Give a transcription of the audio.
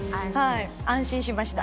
安心しました。